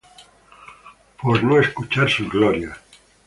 Por no escuchar sus glorias